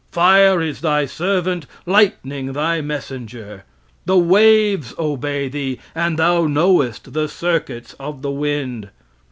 Fire is thy servant, lightning thy messenger. The waves obey thee, and thou knowest the circuits of the wind.